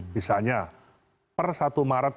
misalnya per satu maret